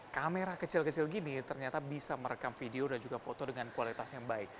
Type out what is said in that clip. kamera kecil kecil gini ternyata bisa merekam video dan juga foto dengan kualitas yang baik